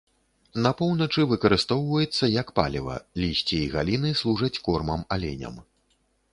На поўначы выкарыстоўваецца як паліва, лісце і галіны служаць кормам аленям.